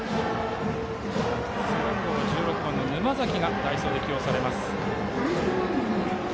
背番号１６番の沼崎が代走で起用されます。